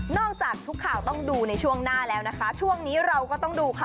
จากทุกข่าวต้องดูในช่วงหน้าแล้วนะคะช่วงนี้เราก็ต้องดูค่ะ